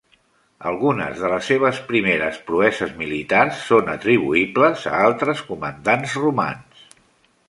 Algunes de les seves primeres proeses militars són atribuïbles a altres comandants romans.